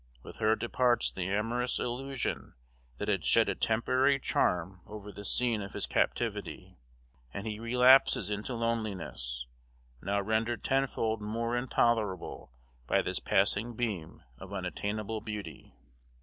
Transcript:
With her departs the amorous illusion that had shed a temporary charm over the scene of his captivity, and he relapses into loneliness, now rendered tenfold more intolerable by this passing beam of unattainable beauty.